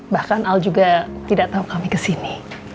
bahkan al juga tidak tahu kami kesini